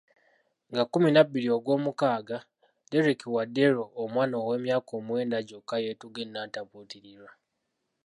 Nga kumi na bbiri ogw'omukaaga, Derrick Wadero omwana w'emyaka omwenda gyokka yeetuga e Nantabulirirwa.